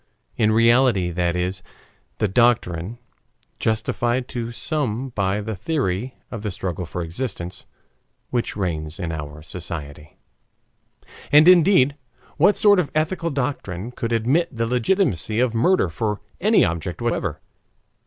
In reality that is the doctrine justified to some by the theory of the struggle for existence which reigns in our society. And, indeed, what sort of ethical doctrine could admit the legitimacy of murder for any object whatever?